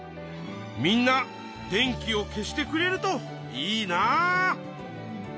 みんな電気を消してくれるといいな。